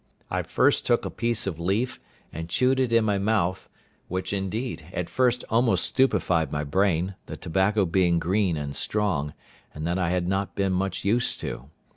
I first took a piece of leaf, and chewed it in my mouth, which, indeed, at first almost stupefied my brain, the tobacco being green and strong, and that I had not been much used to.